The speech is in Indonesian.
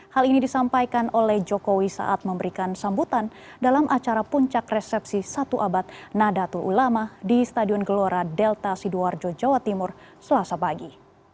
hal ini disampaikan oleh jokowi saat memberikan sambutan dalam acara puncak resepsi satu abad nadatul ulama di stadion gelora delta sidoarjo jawa timur selasa pagi